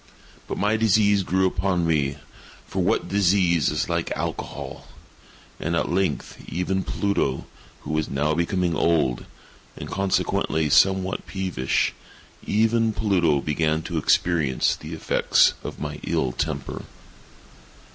But my disease grew upon me—for what disease is like Alcohol!—and at length even Pluto, who was now becoming old, and consequently somewhat peevish—even Pluto began to experience the effects of my ill temper.